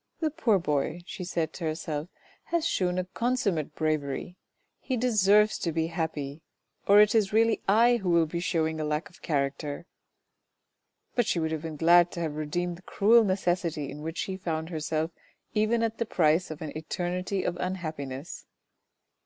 " The poor boy," she said to herself, " has shewn a consummate bravery. He deserves to be happy or it is really I who will be shewing a lack of character." But she would have been glad to have redeemed the cruel necessity in which she found herself even at the price of an eternity of unhappiness.